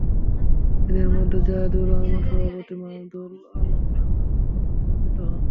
এদের মধ্যে যাহেদুর রহমান সভাপতি, মাহমুদুল আলম সাধারণ সম্পাদক নির্বাচিত হন।